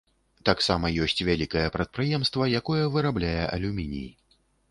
Таксама ёсць вялікае прадпрыемства, якое вырабляе алюміній.